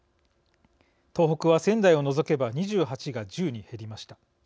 東北は仙台を除けば２８が１０に減りました。